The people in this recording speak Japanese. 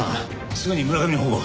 すぐに村上の保護を！